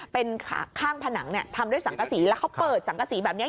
เป็นข้างผนังเนี่ยทำด้วยสังกษีแล้วเขาเปิดสังกษีแบบนี้